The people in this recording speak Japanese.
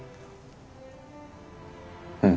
うん。